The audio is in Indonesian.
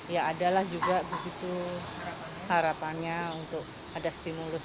ya adalah juga begitu harapannya untuk ada stimulus